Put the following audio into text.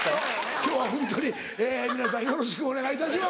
今日はホントに皆さんよろしくお願いいたします！